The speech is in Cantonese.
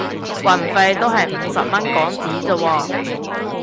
運費都係五十蚊港紙咋喎